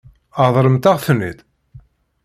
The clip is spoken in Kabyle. Ṛeḍlent-am-ten-id?